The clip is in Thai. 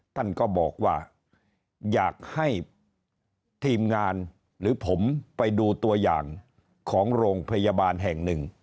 ท่านก็บอกว่าอยากให้ทีมงานหรือผมไปดูตัวอย่างของโรงพยาบาลแห่งหนึ่ง